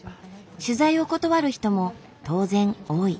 取材を断る人も当然多い。